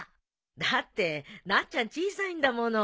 だってなっちゃん小さいんだもの。